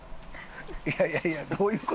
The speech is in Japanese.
いやいやいやどういう事？